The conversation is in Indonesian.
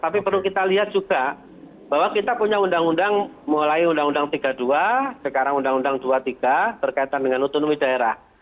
tapi perlu kita lihat juga bahwa kita punya undang undang mulai undang undang tiga puluh dua sekarang undang undang dua puluh tiga berkaitan dengan otonomi daerah